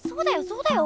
そうだよ！